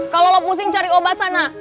kalau lo pusing cari obat sana